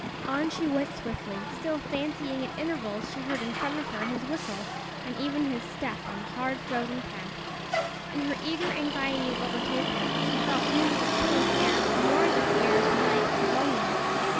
On she went swiftly, still fancying at intervals she heard in front of her his whistle, and even his step on the hard, frozen path. In her eager anxiety to overtake him, she felt neither the chilling air nor the fear of the night and the loneliness.